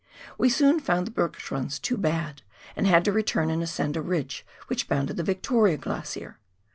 We soon found the hergschrunds too bad, and had to return and ascend a ridge which bounded the Victoria Glacier.